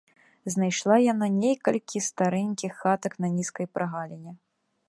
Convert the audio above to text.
Знайшла яна некалькі старэнькіх хатак на нізкай прагаліне.